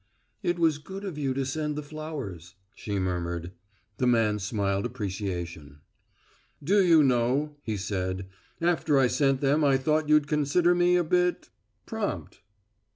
"It was good of you to send the flowers," she murmured. The man smiled appreciation. "Do you know," he said, "after I sent them I thought you'd consider me a bit prompt."